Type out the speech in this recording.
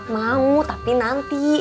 mau tapi nanti